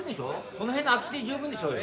その辺の空き地で十分でしょうよ